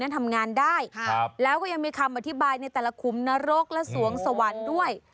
ยังมีคำอธิบายในแต่ละคลุมนรกและส่วงสวรรค์ด้วย